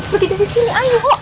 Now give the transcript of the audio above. pergi dari sini ayo